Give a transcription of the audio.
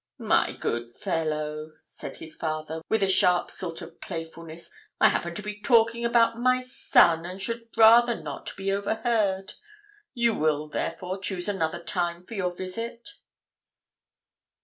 'My good fellow,' said his father, with a sharp sort of playfulness, 'I happen to be talking about my son, and should rather not be overheard; you will, therefore, choose another time for your visit.'